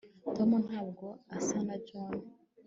tom ntabwo asa na john